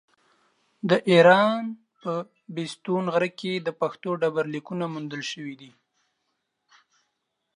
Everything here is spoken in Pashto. د ايران په بېستون غره کې د پښتو ډبرليکونه موندل شوي دي.